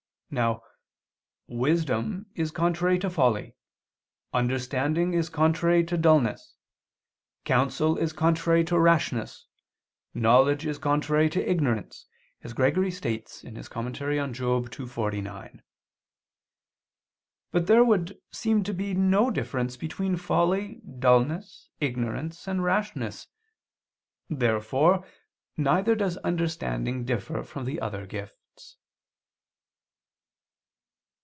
Now "wisdom is contrary to folly, understanding is contrary to dulness, counsel is contrary to rashness, knowledge is contrary to ignorance," as Gregory states (Moral. ii, 49). But there would seem to be no difference between folly, dulness, ignorance and rashness. Therefore neither does understanding differ from the other gifts.